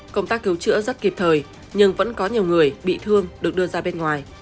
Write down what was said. công tác cứu chữa rất kịp thời nhưng vẫn có nhiều người bị thương được đưa ra bên ngoài